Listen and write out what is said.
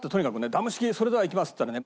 「ダム式それではいきます」って言ったらね